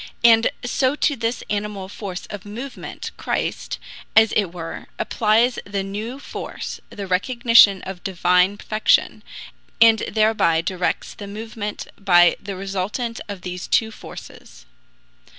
And so to this animal force of movement Christ, as it were, applies the new force the recognition of Divine perfection and thereby directs the movement by the resultant of these two forces..